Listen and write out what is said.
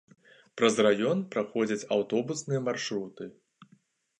Праз раён праходзяць аўтобусныя маршруты.